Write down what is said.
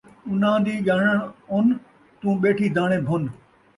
اُنہاں دی ڄاݨن اُن، توں ٻیٹھی داݨے بھُن